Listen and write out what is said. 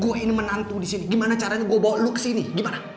gue ini menantu disini gimana caranya gue bawa lu kesini gimana